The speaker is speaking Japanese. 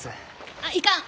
あっいかん！